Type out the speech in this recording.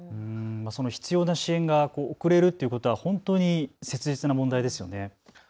その必要な支援が遅れるということは本当に切実な問題ですよね。